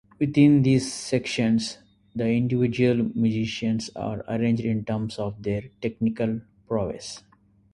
Within these sections the individual musicians are arranged in terms of their technical prowess.